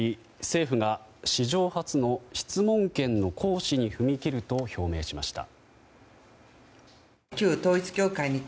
政府が史上初の質問権の行使に踏み切ると表明しました。